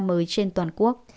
mới trên toàn quốc